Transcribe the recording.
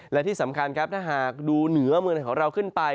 และที่สำคัญครับถ้าหากดูเหนือเมืองของเราขึ้นไป